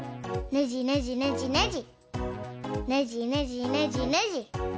ねじねじねじねじ。